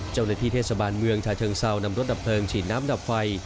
เจ้าหน้าที่เทศบาลเมืองชาเชิงเซานำรถดับเพลิงฉีดน้ำดับไฟ